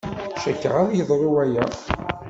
Cikkeɣ ad yeḍru waya.